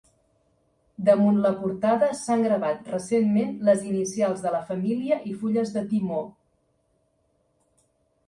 Damunt la portada s'han gravat, recentment, les inicials de la família i fulles de timó.